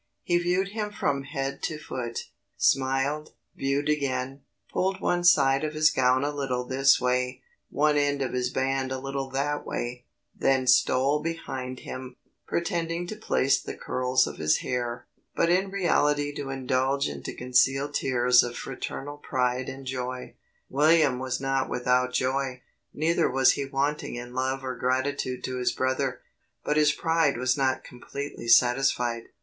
He viewed him from head to foot smiled viewed again pulled one side of his gown a little this way, one end of his band a little that way; then stole behind him, pretending to place the curls of his hair, but in reality to indulge and to conceal tears of fraternal pride and joy. William was not without joy, neither was he wanting in love or gratitude to his brother; but his pride was not completely satisfied.